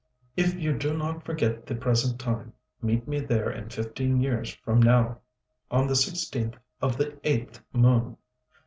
If you do not forget the present time, meet me there in fifteen years from now, on the 16th of the 8th moon."